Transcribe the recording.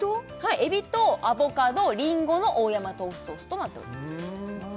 海老とアボカドリンゴの大山豆腐ソースとなっております